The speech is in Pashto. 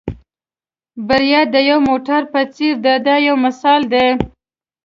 بریا د یو موټر په څېر ده دا یو مثال دی.